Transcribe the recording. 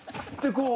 こう。